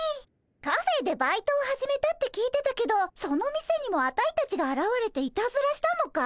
カフェでバイトを始めたって聞いてたけどその店にもアタイたちがあらわれていたずらしたのかい？